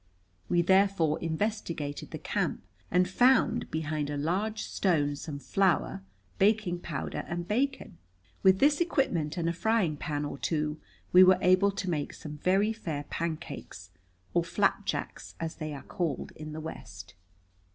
We therefore investigated the camp, and found behind a large stone some flour, baking powder, and bacon. With this equipment and a frying pan or two we were able to make some very fair pancakes or flapjacks, as they are called in the West.